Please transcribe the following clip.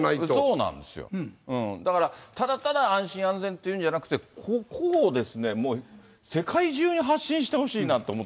そうなんですよ、だから、ただただ安心安全というんじゃなくて、ここを世界中に発信してほしいなと思って。